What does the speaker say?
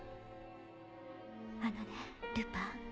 あのねルパン。